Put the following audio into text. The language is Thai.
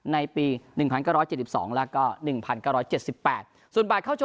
ในปี๑๙๗๒แล้วก็๑๙๗๘